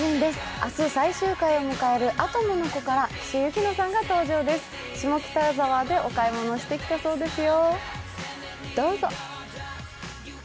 明日、最終回を迎える「アトムの童」から、岸井ゆきのさんが登場です、下北沢でお買い物してきたそうですよ。